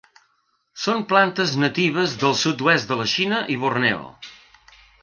Són plantes natives del sud-oest de la Xina i Borneo.